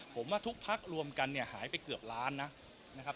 ผมว่าทุกพักรวมกันเนี่ยหายไปเกือบล้านนะครับ